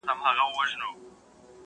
اشنا پوښتني ته مي راسه!